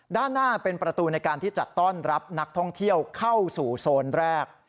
ด้านหน้าเป็นประตูในการที่จะต้อนรับนักท่องเที่ยวเข้าสู่โซนแรก